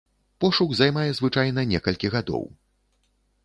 Пошук займае звычайна некалькі гадоў.